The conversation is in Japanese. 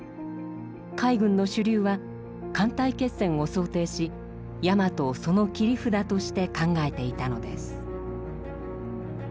海軍の主流は艦隊決戦を想定し大和をその切り札として考えていたのです。